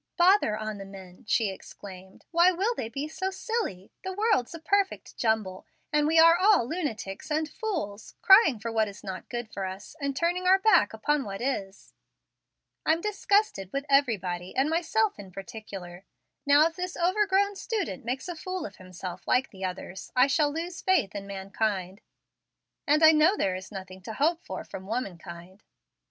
"Bother on the men," she exclaimed. "Why will they be so silly! The world's a perfect jumble, and we are all lunatics and fools, crying for what is not good for us, and turning our backs upon what is. I'm disgusted with everybody, and myself in particular. Now if this overgrown student makes a fool of himself, like the others, I shall lose faith in mankind, and I know there is nothing to hope from woman kind."